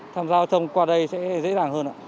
tham gia qua đây sẽ dễ dàng hơn